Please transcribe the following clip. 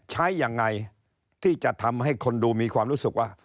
ใช้ยังไงที่จะทำให้คนดูมีความรู้สึกว่า